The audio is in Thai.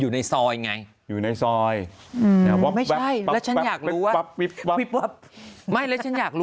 ดูในซอยอย่างไรอยู่ในซอยหมี่ท่าละฉันอยากรู้ว่านี่